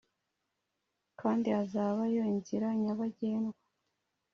Kandi hazabayo inzira nyabagendwa